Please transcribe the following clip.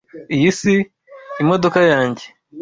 Iyi si imodoka yanjye.